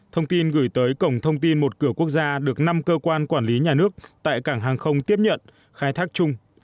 thông tin gửi tới cổng thông tin một cửa quốc gia được năm cơ quan quản lý nhà nước tại cảng hàng không tiếp nhận khai thác chung